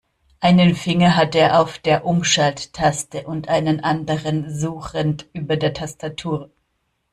Einen Finger hat er auf der Umschalttaste und einen anderen suchend über der Tastatur.